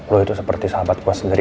lo itu seperti sahabat gue sendiri